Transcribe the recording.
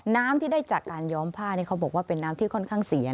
น้ำที่ได้จากการย้อมผ้านี่เขาบอกว่าเป็นน้ำที่ค่อนข้างเสีย